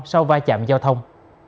sau vai chạm giao thông